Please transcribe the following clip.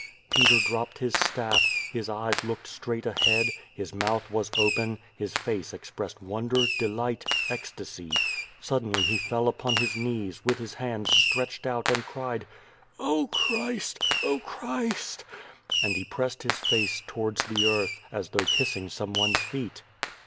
Peter dropped his staff; his eyes looked straight ahead, his mouth was open, his face expressed wonder, delight, ecstasy. Suddenly he fell upon his knees, with his hands stretched out, and cried: "Oh, Christ! Oh, Christ!" and he pressed his face towards the earth, as though kissing some one's feet.